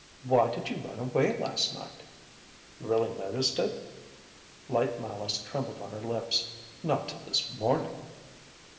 "Why did you run away last night?" "You really noticed it?" Light malice trembled on her lips: "Not till this morning."